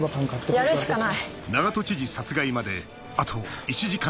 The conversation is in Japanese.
やるしかない。